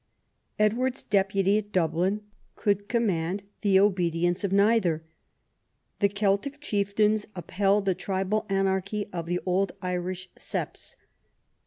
Edward's deputy at Dublin could command the obedience of neither. The Celtic chieftains upheld the tribal anarchy of the old Irish septs.